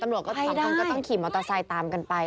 สองคนก็ต้องขี่มอเตอร์ไซค์ตามกันไป